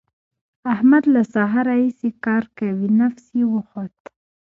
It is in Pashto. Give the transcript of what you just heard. احمد له سهار راهسې کار کوي؛ نفس يې وخوت.